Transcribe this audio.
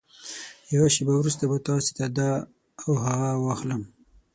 يوه شېبه وروسته به تاسې ته دا او هغه واخلم.